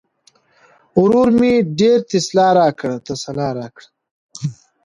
ورور مې ډېره تسلا راکړه.